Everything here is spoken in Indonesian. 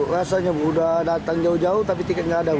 rasanya bu sudah datang jauh jauh tapi tiket tidak ada bu